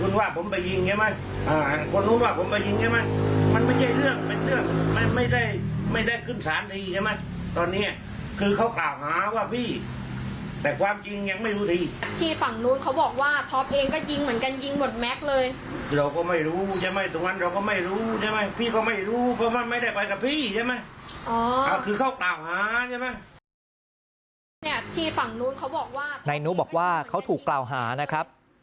ในนู้บบอกว่าเขาถูกกล่าวหานะครับ